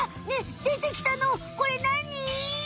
ねえでてきたのこれなに？